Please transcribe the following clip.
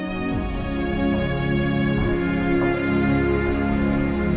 sekarang kita mau masuk